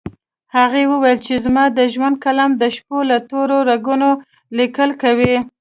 هغې وويل چې زما د ژوند قلم د شپو له تورو رګونو ليکل کوي